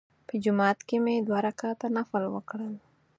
په جومات کې مې دوه رکعته نفل وکړل.